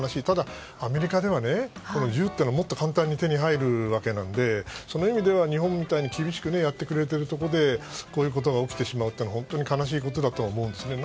ただ、アメリカでは銃というのはもっと簡単に手に入るわけでその意味では日本みたいに厳しくやってくれているところでこういうことが起きるのは本当に悲しいことだと思うんです。